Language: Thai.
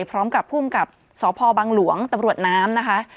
พร้อมกับภูมิกับสพบังหลวงตำรวจน้ำนะคะ